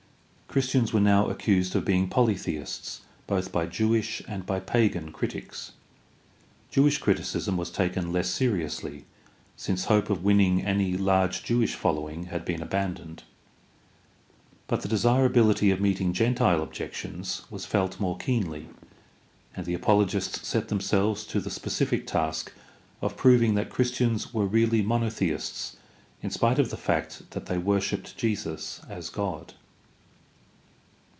Christians were now accused of being polytheists both by Jewish and by pagan critics. Jewish criticism was taken less seriously, since hope of winning any large Jewish following had been abandoned. But the desirability of meeting gentile objections was felt more keenly, and the apologists set themselves to the specific task of proving that Christians were really monotheists in spite of the fact that they worshiped Jesus as God.